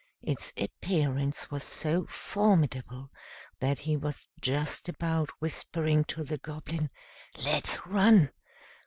Its appearance was so formidable that he was just about whispering to the Goblin, "Let's run!"